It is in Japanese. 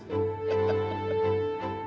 ハハハハ。